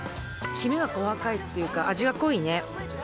きめが細かいっていうか味が濃いね。